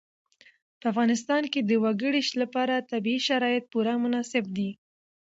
په افغانستان کې د وګړي لپاره طبیعي شرایط پوره مناسب دي.